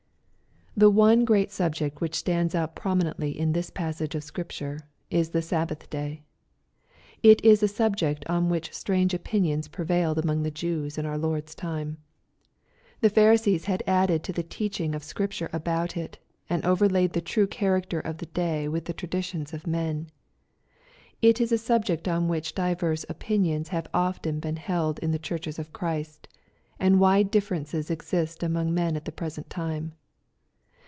The one great subject which stands out prominently in this passage of Scripture^ is the Sabbath day. It is a subject on which strange opinions prevailed among the Jews in. our Lord's time. The Pharisees had added to the teaching of Scripture about it, and overlaid the true character of the day with the traditions of men. — ^It is a subject on which divers opinions have often been held in the Churches of Christy and wide differences exist among men at the present time.